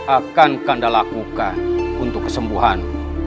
akan kanda lakukan untuk kesembuhan